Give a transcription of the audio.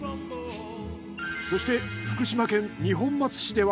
そして福島県二本松市では。